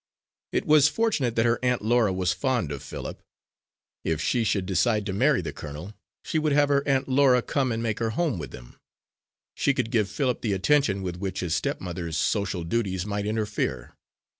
It was fortunate that her Aunt Laura was fond of Philip. If she should decide to marry the colonel, she would have her Aunt Laura come and make her home with them: she could give Philip the attention with which his stepmother's social duties might interfere.